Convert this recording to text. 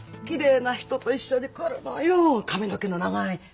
髪の毛の長い。